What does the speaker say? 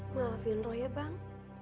ngapain roh ya bang